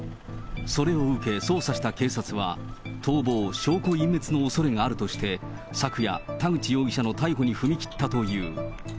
それを受け、捜査した警察は、逃亡、証拠隠滅のおそれがあるとして、昨夜、田口容疑者の逮捕に踏み切ったという。